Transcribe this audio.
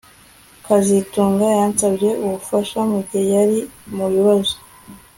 kazitunga yansabye ubufasha mugihe yari mubibazo